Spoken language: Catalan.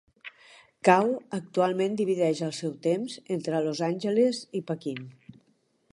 Kao actualment divideix el seu temps entre los Angeles i Pequín.